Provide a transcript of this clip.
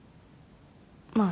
まあ